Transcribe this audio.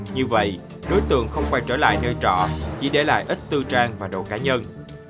như vậy đối tượng không quay trở lại nơi trọ chỉ để lại ít tư trang và độ cá nhân